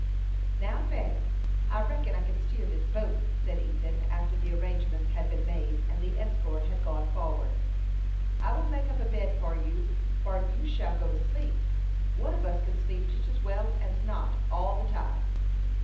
"Now, Fanny, I reckon I kin steer this boat," said Ethan, after the arrangements had been made, and the escort had gone forward. "I will make up a bed for you for'ad, and you shall go to sleep. One on us kin sleep jest as well as not, all the time."